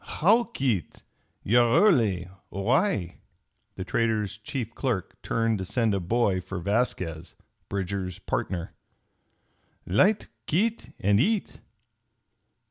"How, Kit! You're early. Why?" The trader's chief clerk turned to send a boy for Vasquez, Bridger's partner. "Light, Kit, and eat."